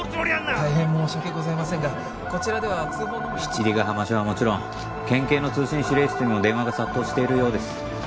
大変申し訳ございませんがこちらでは通報のみ七里ヶ浜署はもちろん県警の通信指令室にも電話が殺到しているようです